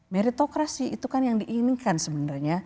meritokrasi itu kan yang diinginkan sebenarnya